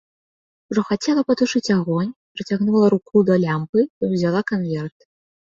Ужо хацела патушыць агонь, працягнула руку да лямпы і ўзяла канверт.